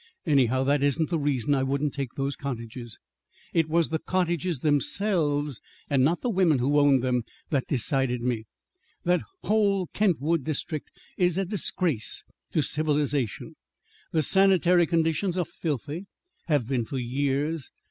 Anyhow, that isn't the reason I wouldn't take those cottages. "It was the cottages themselves, and not the woman who owned them, that decided me. That whole Kentwood district is a disgrace to civilization. The sanitary conditions are filthy; have been for years.